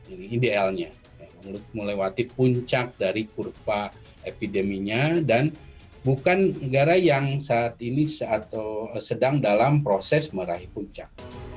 ini idealnya melewati puncak dari kurva epideminya dan bukan negara yang saat ini atau sedang dalam proses meraih puncak